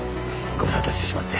ご無沙汰してしまって。